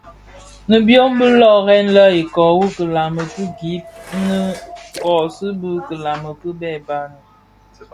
Nnë byom bi löören lè iköö wu kilami ki gib nnë kōsuu bi kilami ki bë bani.